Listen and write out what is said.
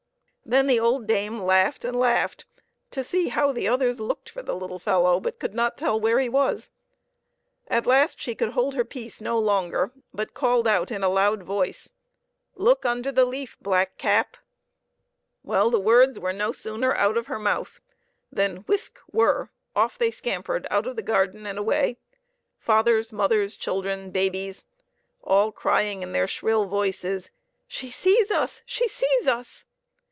Then the old dame laughed and laughed to see how the others looked for the little fellow, but could not tell where he &efK t<* . seei.fhe merry was. At last she could hold her peace no longer, but called out in a loud voice, " Look under the leaf, Blackcap !" The words were no sooner out of her mouth than, whisk ! whirr ! off they scampered out of the garden and away fathers, mothers, children, babies, all crying in their shrill voices, " She sees us ! she sees us